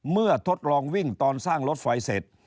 ทดลองวิ่งตอนสร้างรถไฟเสร็จ